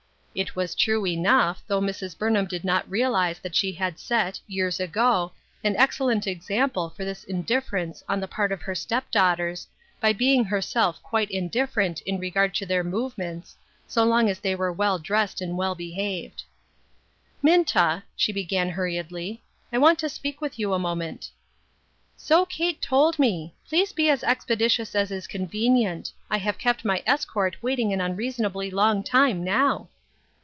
" It was true enough, though Mrs. Burnham did not realize that she had set, years ago, an excellent example for this indif ference on the part of her step daughters, by being herself quite indifferent in regard to their move ments, so long as they were well dressed and well behaved. "Minta," she began hurriedly, "I want to speak with you a moment." " So Kate told me. Please be as expeditious as is convenient ; I have kept my escort waiting an unreasonably long time now."